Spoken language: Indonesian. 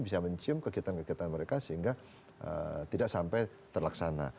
bisa mencium kegiatan kegiatan mereka sehingga tidak sampai terlaksana